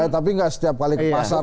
tapi nggak setiap kali ke pasar